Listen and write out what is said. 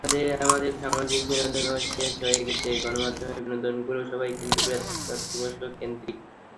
আমাদের সামাজিক বিনোদন তো শেষ হয়ে গেছে, গণমাধ্যমের বিনোদনগুলো সবই কিন্তু প্রাপ্তবয়স্ককেন্দ্রিক।